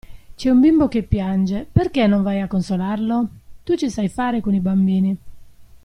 C'è un bimbo che piange, perché non vai a consolarlo? Tu ci sai fare con i bambini.